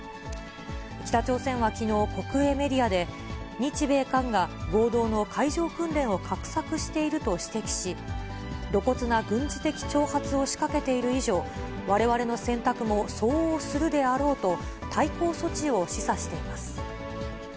北朝鮮はきのう、国営メディアで、日米韓が合同の海上訓練を画策していると指摘し、露骨な軍事的挑発を仕掛けている以上、われわれの選択も相応するであろうと、対抗措置を示唆しています。